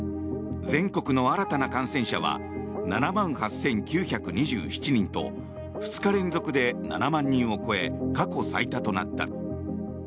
全国の新たな感染者は７万８９２７人と２日連続で７万人を超え過去最多となった。